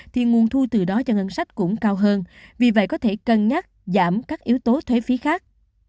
thì nguồn thu từ đó cho ngân sách cũng cao hơn vì vậy có thể cân nhắc giảm các yếu tố thuế phí khác